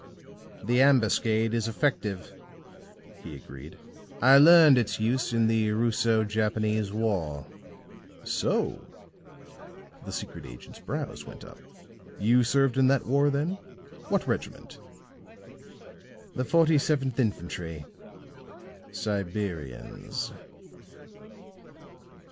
"The ambuscade is effective," he agreed. "I learned its use in the Russo Japanese war." "So!" The secret agent's brows went up. "You served in that war then? What regiment?" "The 47th infantry, Siberians."